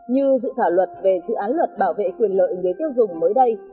như dự thảo luật về dự án luật bảo vệ quyền lợi người tiêu dùng mới đây